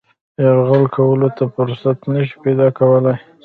یرغل کولو ته فرصت نه شي پیدا کولای.